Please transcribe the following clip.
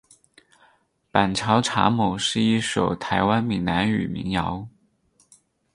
板桥查某是一首台湾闽南语民谣。